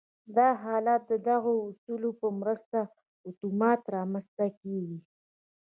دا حالت د دغو اصولو په مرسته اتومات رامنځته کېږي